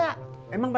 nah ini siapa